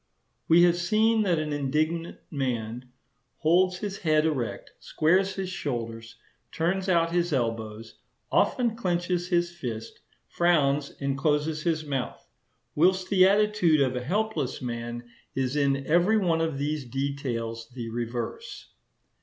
We have seen that an indignant man holds his head erect, squares his shoulders, turns out his elbows, often clenches his fist, frowns, and closes his mouth; whilst the attitude of a helpless man is in every one of these details the reverse.